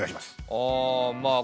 あまあ